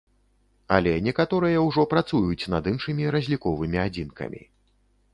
Але некаторыя ўжо працуюць над іншымі разліковымі адзінкамі.